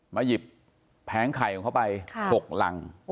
หยิบแผงไข่ของเขาไป๖รัง